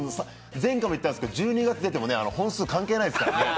前回も言ったんですけど、１２月出ても本数関係ないですからね。